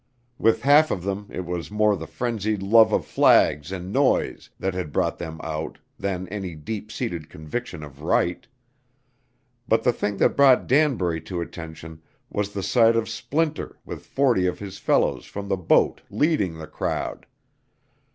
With half of them it was more the frenzied love of flags and noise that had brought them out than any deep seated conviction of right. But the thing that brought Danbury to attention was the sight of Splinter with forty of his fellows from the boat leading the crowd.